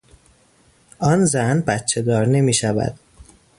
آن زن بچهدار نمیشود.